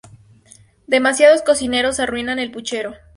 Demasiados cocineros arruinan el puchero